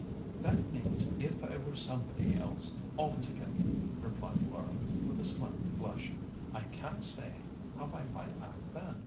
"That means if I were somebody else altogether," replied Laura, with a slight blush. "I can't say how I might act then.